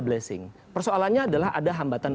blessing persoalannya adalah ada hambatan